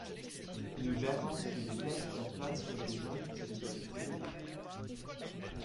Nous verrons si le texte atteint quelques-uns de ses objectifs.